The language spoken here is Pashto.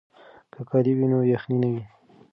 که کالي وي نو یخنۍ نه وي.